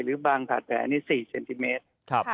หรือบางบาดแผลนี่๔เซนติเมตร